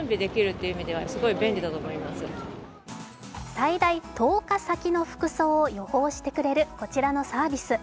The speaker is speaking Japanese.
最大１０日先の服装を予報してくれるこちらのサービス。